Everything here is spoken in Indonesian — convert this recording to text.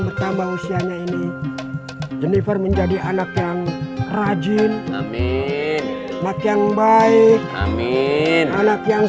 bertambah usianya ini jennifer menjadi anak yang rajin amin anak yang baik amin anak yang